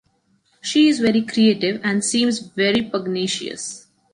She is very creative and seems very pugnacious.